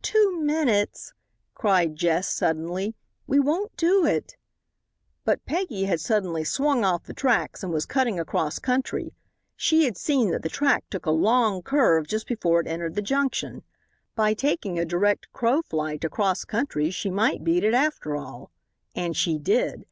"Two minutes," cried Jess, suddenly; "we won't do it." But Peggy had suddenly swung off the tracks and was cutting across country. She had seen that the track took a long curve just before it entered the junction. By taking a direct "crow flight" across country she might beat it after all. And she did.